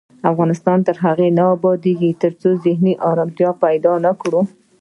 افغانستان تر هغو نه ابادیږي، ترڅو ذهني ارامتیا پیدا نکړو.